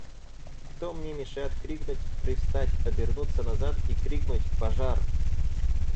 Кто мне мешает крикнуть, — привстать, обернуться назад и крикнуть: — Пожар!